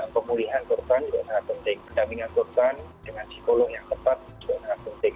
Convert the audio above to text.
pemulihan korban juga sangat penting pendampingan korban dengan psikolog yang tepat juga sangat penting